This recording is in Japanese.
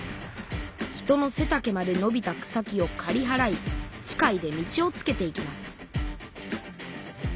人のせたけまでのびた草木をかりはらい機械で道をつけていきます